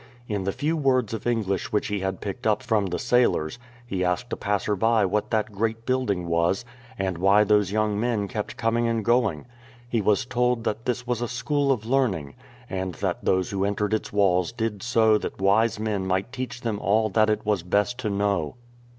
In the few words of English which he had picked up from the sailors he asked a passer by what that gi'eat building was, and why those young men kept coming and going. He was told that this was a school of learning, and that those who entered its walls did so that wise men might teach them all that it was best to know.